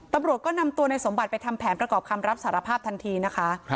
ตำรวจก็นำตัวในสมบัติไปทำแผนประกอบคำรับสารภาพทันทีนะคะ